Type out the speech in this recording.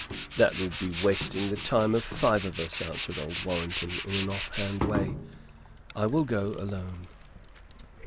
"That would be wasting the time of five of us," answered old Warrenton, in an off hand way; "I will go alone."